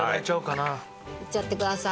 はい。いっちゃってください。